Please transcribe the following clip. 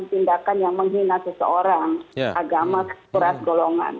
tindakan yang menghina seseorang agama sekurat golongan